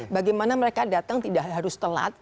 bagaimana mereka datang tidak harus telat